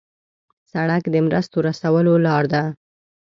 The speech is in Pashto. سړک د مرستو رسولو لار ده.